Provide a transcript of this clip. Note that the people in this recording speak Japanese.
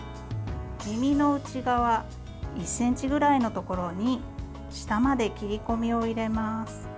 耳の内側１ｃｍぐらいのところに下まで切り込みを入れます。